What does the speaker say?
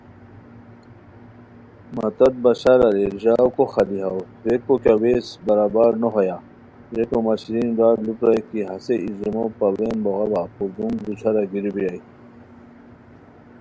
مہ تت بشار اریر ژاؤ کو خالی ہاؤ تھوویکو کیہ ویز برابر نو ہویا ریکو مہ شیرین برار لو پرائے کی ہسے ای زومو پاڑین بوغاوا پردوم دوچھارہ گیرو بیرائے